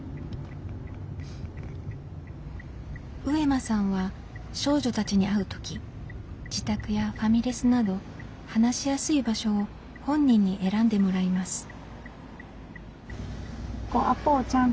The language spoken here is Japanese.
上間さんは少女たちに会う時自宅やファミレスなど話しやすい場所を本人に選んでもらいます。